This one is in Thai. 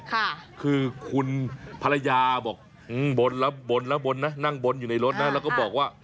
ค่ะคือคุณภรรยาบอกอืมบนแล้วบนแล้วบนนะนั่งบนอยู่ในรถนะแล้วก็บอกว่า